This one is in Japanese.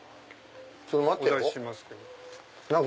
ちょっと待てよ。